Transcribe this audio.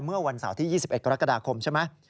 เมื่อวันเสาร์ที่๒๑กรกฎาคมใช่ไหม